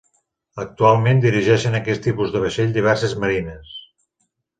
Actualment dirigeixen aquest tipus de vaixell diverses marines.